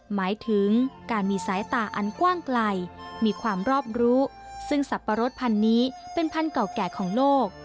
หมายถึงการมีสายตาอันกว้างไกลมีความรอบรู้ซึ่งสับปะรดพันธุ์นี้เป็นพันธุ์เก่าแก่ของโลก